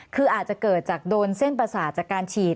คืออาจจะเกิดจากโดนเส้นประสาทจากการฉีด